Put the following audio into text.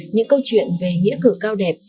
những câu chuyện về nghĩa cử cao đẹp